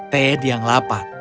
ted yang lapar